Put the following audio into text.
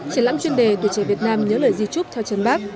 triển lãm chuyên đề tuổi trẻ việt nam nhớ lời di trúc theo chân bác